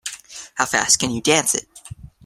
How fast can you dance it?